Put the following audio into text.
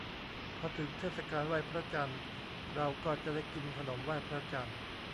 พอถึงเทศกาลไหว้พระจันทร์ เราก็จะได้กินขนมไหว้พระจันทร์